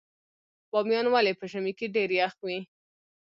بامیان ولې په ژمي کې ډیر یخ وي؟